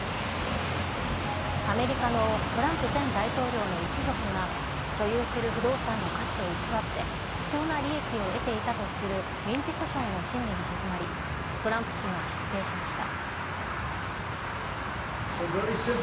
アメリカのトランプ前大統領の一族が、所有する不動産の価値を偽って、不当な利益を得ていたとする民事訴訟の審理が始まり、トランプ氏が出廷しました。